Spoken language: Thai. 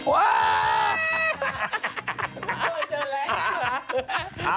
ว้าว